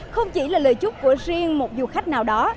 không chỉ là lời chúc của riêng một du khách nào đó